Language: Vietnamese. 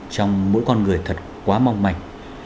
trong mỗi con người thật quá mong mạnh